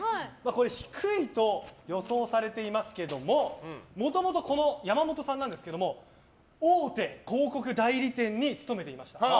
低いと予想されていますけどももともと、山本さんですが大手広告代理店に勤めていました。